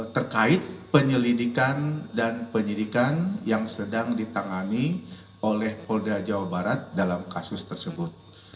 terkait penyelidikan dan penyidikan yang sedang ditangani oleh polda jawa barat dalam kasus tersebut